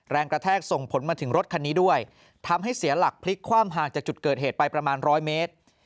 แรงกระแทกส่งผลมาถึงรถคันนี้ด้วยทำให้เสียหลักพลิกคว่ำห่างจากจุดเกิดเหตุไปประมาณร้อยเมตร